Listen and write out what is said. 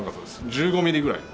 １５ミリぐらい。